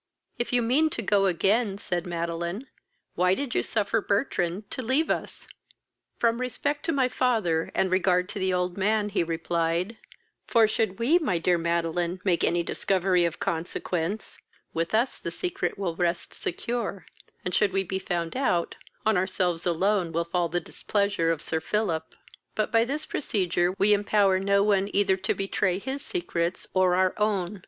"If you mean to go again, (said Madeline,) why did you suffer Bertrand to leave us?" "From respect to my father and regard to the old man, (he replied;) for should we, my dear Madeline, make any discovery of consequence, with us the secret will rest secure, and, should we be found out, on ourselves alone will fall the displeasure of Sir Philip; but, by this procedure, we empower no one either to betray his secrets or our own.